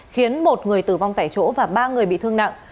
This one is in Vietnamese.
khiến một người tử vong tại chỗ và ba người bị thương nặng